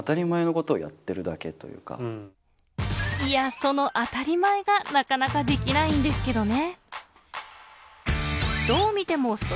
その当たり前がなかなかできないんですけどね。